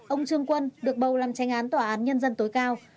ông trương quân được bầu làm tranh án tòa án nhân dân tối cao